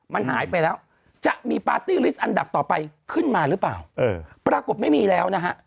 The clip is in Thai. มันหายไปแล้วจะมีปาร์ตี้ลิสต์อันดับต่อไปขึ้นมาหรือเปล่าเออปรากฏไม่มีแล้วนะฮะ